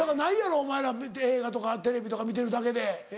お前ら映画とかテレビとか見てるだけで。